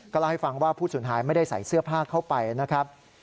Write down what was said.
เล่าให้ฟังว่าผู้สูญหายไม่ได้ใส่เสื้อผ้าเข้าไปนะครับ